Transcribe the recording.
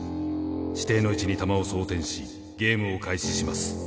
指定の位置に弾を装てんしゲームを開始します。